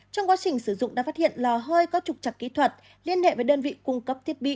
trong quá trình sử dụng đã phát hiện lò hơi có trục trặc kỹ thuật liên hệ với đơn vị cung cấp thiết bị